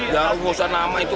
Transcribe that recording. ya umusan nama itu